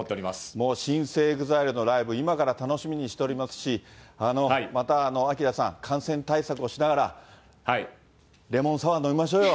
もう新生ＥＸＩＬＥのライブ、今から楽しみにしておりますし、またＡＫＩＲＡさん、感染対策をしながら、レモンサワー飲みましょうよ。